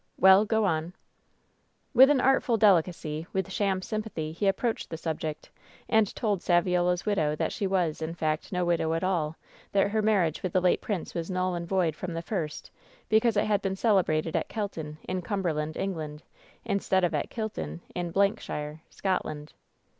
"Well, go on !" "With an artful delicacy, with sham sympathy, he approached the subject, and told Saviola's widow that she was, in fact, no widow at all ; that her marriage with the late prince was null and void from the first, because it had been celebrated at Kelton, in Cumberland, Eng land, instead of at Kilton, in shire, Scotland.